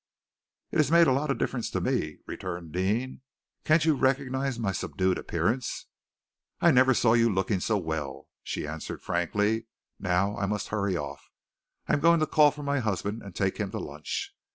"It has made a lot of difference to me," returned Deane. "Can't you recognize my subdued appearance?" "I never saw you looking so well," she answered frankly. "Now I must hurry off. I am going to call for my husband and take him to lunch."